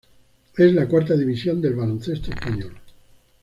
Es la cuarta división del baloncesto español.